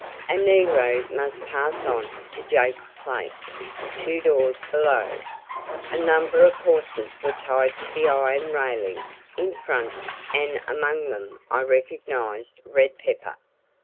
A negro must pass on to "Jake's place," two doors below. A number of horses were tied to the iron railing in front and among them I recognized Red Pepper.